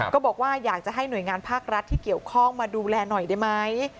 ก็บอกว่าอยากจะให้หน่วยงานภาครัฐที่เกี่ยวข้องมาดูแลหน่อยได้ไหม